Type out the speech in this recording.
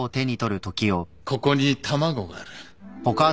ここに卵がある。